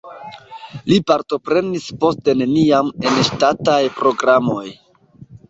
Li partoprenis poste neniam en ŝtataj programoj.